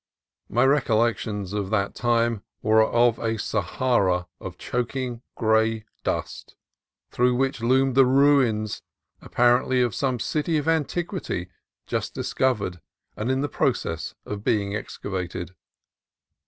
My recol lections of that time were of a Sahara of choking gray dust, through which loomed the ruins, appar ently, of some city of antiquity, just discovered and in process of being excavated.